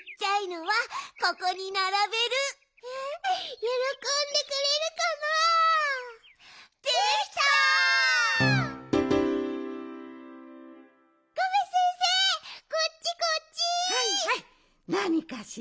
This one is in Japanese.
はいはいなにかしら？